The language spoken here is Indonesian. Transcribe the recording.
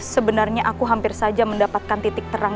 sebenarnya aku hampir saja mendapatkan titik terang